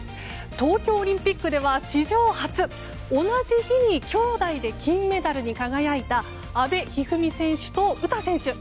東京オリンピックでは史上初同じ日に兄妹で金メダルに輝いた阿部一二三選手と詩選手。